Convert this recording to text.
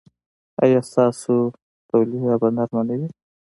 ایا ستاسو تولیه به نرمه نه وي؟